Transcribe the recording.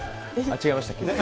違いましたっけ？